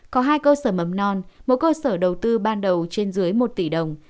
có hai cơ sở mầm non một cơ sở đầu tư ban đầu trên dưới một tỷ đồng